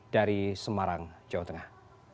dari semarang jawa tengah